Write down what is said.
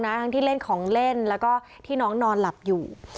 ทั้งที่เล่นของเล่นแล้วก็ที่น้องนอนหลับอยู่